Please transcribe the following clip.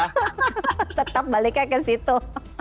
tetap baliknya ke situ